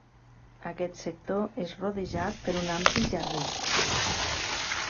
Aquest sector és rodejat per un ampli jardí.